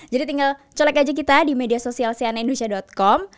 jadi tinggal colek aja kita di media sosial cnn indonesia com